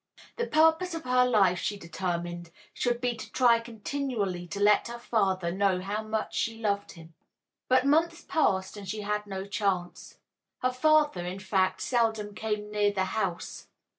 The purpose of her life, she determined, should be to try continually to let her father know how much she loved him. But months passed and she had no chance. Her father, in fact, seldom came near the house.